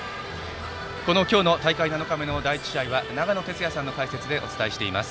この今日の大会７日目の第１試合は長野哲也さんの解説でお伝えしています。